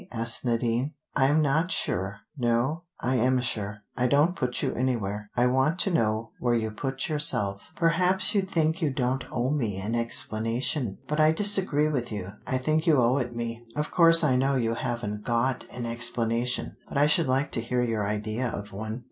asked Nadine. "I am not sure. No: I am sure. I don't put you anywhere. I want to know where you put yourself. Perhaps you think you don't owe me an explanation. But I disagree with you. I think you owe it me. Of course I know you haven't got an explanation. But I should like to hear your idea of one."